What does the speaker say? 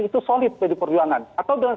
itu solid pdi perjuangan atau dengan